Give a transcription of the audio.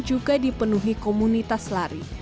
juga dipenuhi komunitas lari